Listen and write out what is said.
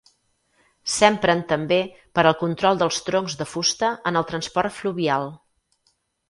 S'empren també per al control dels troncs de fusta en el transport fluvial.